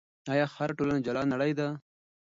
آیا هره ټولنه جلا نړۍ ده؟